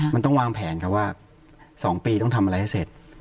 มันต้องวางแผนครับว่า๒ปีต้องทำอะไรให้เสร็จ